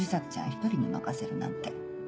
一人に任せるなんて。